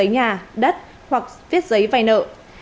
nhà đất hoặc viết giấy vay nợ